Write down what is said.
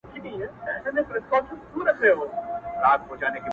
شعر ماښامی یو څو روپۍ او سګرټ ,